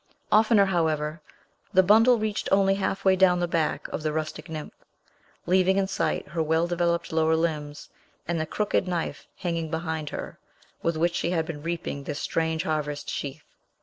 Oftener, however, the bundle reached only halfway down the back of the rustic nymph, leaving in sight her well developed lower limbs, and the crooked knife, hanging behind her, with which she had been reaping this strange harvest sheaf.